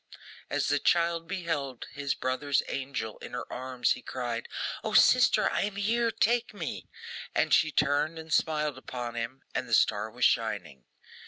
As the child beheld his brother's angel in her arms, he cried, 'O, sister, I am here! Take me!' And she turned and smiled upon him, and the star was shining.